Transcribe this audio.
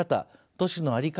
都市の在り方